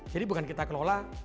jadi bukan kita kelola